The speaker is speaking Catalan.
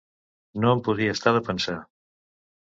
No em podia estar de pensar